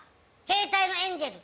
「携帯のエンゼル」？